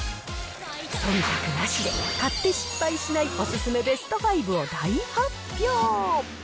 そんたくなしで、買って失敗しないお勧めベスト５を大発表。